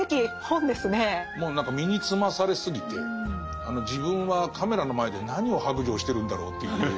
もう何か身につまされすぎて自分はカメラの前で何を白状してるんだろうという。